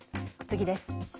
次です。